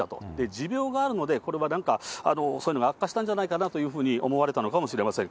持病があるので、これはなんかそういうのが悪化したんじゃないかなというふうに思われたのかもしれません。